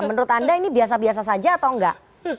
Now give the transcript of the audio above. menurut anda ini biasa biasa saja atau enggak